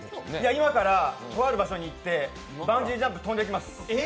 今からとある場所に行ってバンジージャンプ、飛んできます。